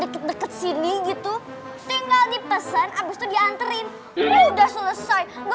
dekat dekat sini gitu tinggal dipesen habis itu dianterin udah selesai nggak